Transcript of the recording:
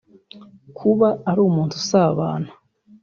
Kuba ari umuntu usabana